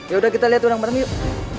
yaudah kita lihat orang bareng yuk